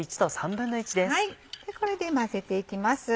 これで混ぜていきます。